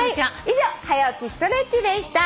以上「はや起きストレッチ」でした。